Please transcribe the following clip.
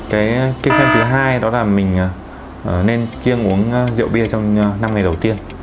cái kiêng khem thứ hai đó là mình nên kiêng uống rượu bia trong năm ngày đầu tiên